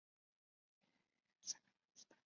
他毕业于艾塞克斯大学。